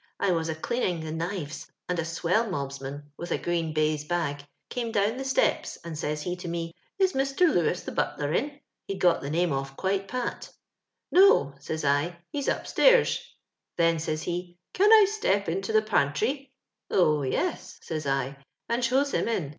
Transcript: I was a ftleantng the kniTes, and a twellmohaman, with a green>haiae hag, oome down the stepe, and says he to me, * Is Mr. Lewis, the hatler, in?— he'd got tiie name off qiike pat * No,' says I, 'he's up stairs; ' then says he, *Can i step into the pan trwf ' Oh, yes,* says I, and shows him in.